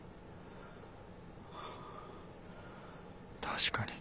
確かに。